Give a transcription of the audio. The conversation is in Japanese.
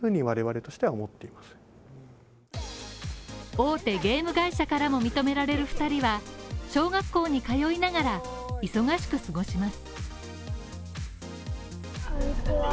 大手ゲーム会社からも認められる２人は小学校に通いながら忙しく過ごします。